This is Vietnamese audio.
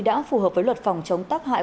đã phù hợp với luật phòng chống tác hại